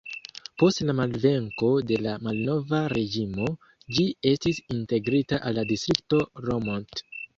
Post la malvenko de la malnova reĝimo ĝi estis integrita al la distrikto Romont.